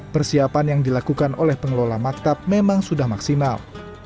persiapan yang dilakukan oleh pengelola maktab memang sudah maksimal